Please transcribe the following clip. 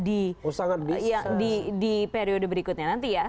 di periode berikutnya nanti ya